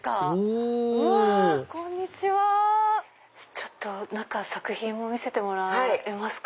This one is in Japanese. ちょっと中作品も見せてもらえますか？